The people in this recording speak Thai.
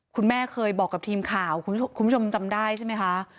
คุณแม่เคยบอกกับทีมข่าวคุณผู้ชมจำได้ใช่ไหมคะ